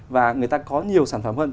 và người ta có nhiều sản phẩm hơn